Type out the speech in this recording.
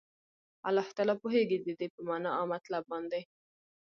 الله تعالی پوهيږي ددي په معنا او مطلب باندي